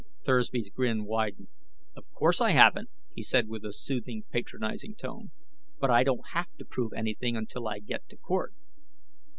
Thursby's grin widened. "Of course I haven't," he said with a soothing, patronizing tone. "But I don't have to prove anything until I get to court."